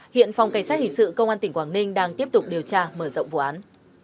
hiện phòng cảnh sát hình sự công an tỉnh quảng ninh đang tiếp tục điều tra mở rộng vụ án